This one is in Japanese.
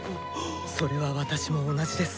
それは私も同じです。